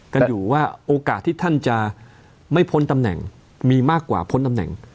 กันอยู่ว่าโอกาสที่ท่านจะไม่พ้นตำแหน่งมีมากกว่าพ้นตำแหน่ง